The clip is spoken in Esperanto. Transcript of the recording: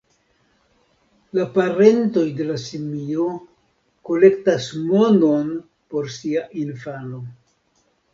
La parentoj de la simio kolektas monon por sia infano.